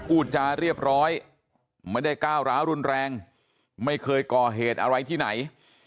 พูดจาเรียบร้อยไม่ได้ก้าวร้าวรุนแรงไม่เคยก่อเหตุอะไรที่ไหน